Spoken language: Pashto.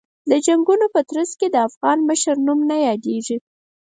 د جنګونو په ترڅ کې د افغان مشر نوم نه یادېږي.